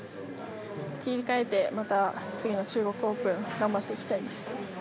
切り替えてまた次の中国オープン頑張っていきたいです。